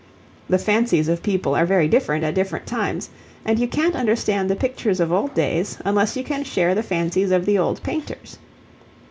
The fancies of people are very different at different times, and you can't understand the pictures of old days unless you can share the fancies of the old painters.